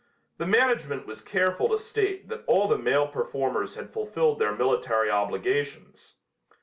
The management was careful to state that all the male performers had fulfilled their military obligations.